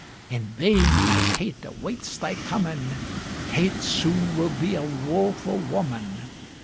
In vain thy Kate awaits thy comin'! Kate soon will be a woefu' woman!